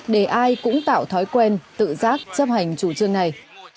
để ai cũng tạo thói quen tự giác chấp hành chủ trương này